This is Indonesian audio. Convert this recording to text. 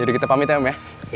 yaudah kita pamit ya om ya